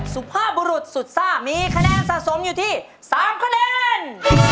สุภาพบุรุษสุดซ่ามีคะแนนสะสมอยู่ที่๓คะแนน